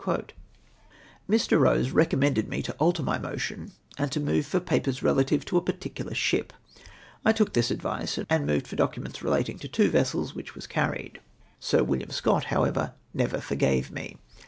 ]\ii\ Eose recommended me to alter my motion, and to move for papers relative to a particular ship. I 138 ABOMINABLE SYSTEM OF PROMOTIOX. took this advice and moved for de)Ciinieiits relating to two vessels, which was carried. Sir William Scott, however, never forgave me.